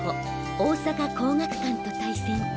大阪光学館と対戦。